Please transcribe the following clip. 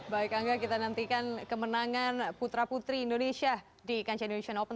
baik angga kita nantikan kemenangan putra putri indonesia di kancah indonesian open